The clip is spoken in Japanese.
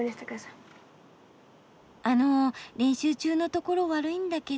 あの練習中のところ悪いんだけど。